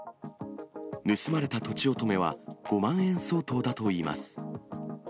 盗まれたとちおとめは、５万円相当だといいます。